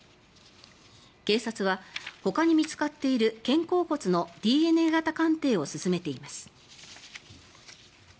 警察はほかに見つかっている肩甲骨のＤＮＡ型鑑定を進めています。